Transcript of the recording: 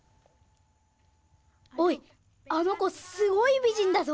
おいあの子すごいびじんだぞ。